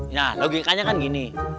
nah logikanya kan gini